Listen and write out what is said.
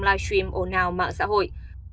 live stream ồn ào mạng xã hội